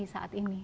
reformasi saat ini